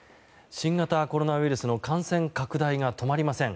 新型コロナウイルスの感染拡大が止まりません。